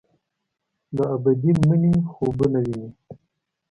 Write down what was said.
د ابدي مني خوبونه ویني